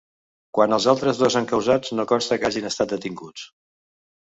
Quant als altres dos encausats no consta que hagin estat detinguts.